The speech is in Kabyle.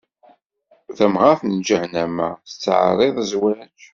Tamɣaṛt n lǧahennama, tettɛeṛṛiḍ zzwaǧ.